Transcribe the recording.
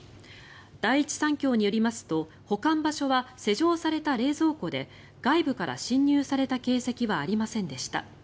第一三共によりますと保管場所は施錠された冷蔵庫で外部から侵入された形跡はありませんでした。